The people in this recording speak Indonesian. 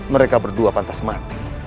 mereka berdua pantas mati